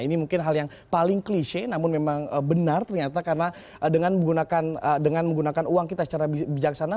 ini mungkin hal yang paling klise namun memang benar ternyata karena dengan menggunakan uang kita secara bijaksana